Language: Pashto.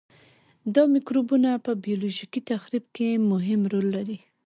دا مکروبونه په بیولوژیکي تخریب کې مهم رول لري.